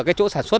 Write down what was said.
cái chỗ sản xuất